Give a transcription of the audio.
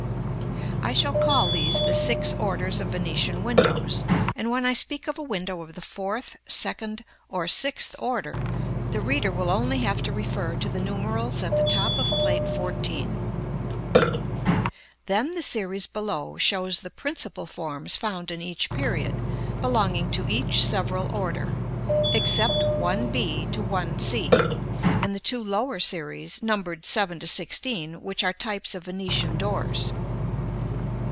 I shall call these the six orders of Venetian windows, and when I speak of a window of the fourth, second, or sixth order, the reader will only have to refer to the numerals at the top of Plate XIV. Then the series below shows the principal forms found in each period, belonging to each several order; except 1 b to 1 c, and the two lower series, numbered 7 to 16, which are types of Venetian doors.